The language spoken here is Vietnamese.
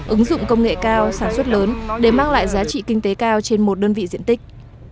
ứng dụng công nghệ cao sản xuất lớn để mang lại giá trị kinh tế cao trên một đơn vị diện tích